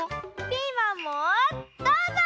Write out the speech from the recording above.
ピーマンもどうぞ！